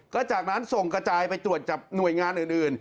ก็จากนั้นส่งกระจายไปตรวจกับหน่วยงานอื่น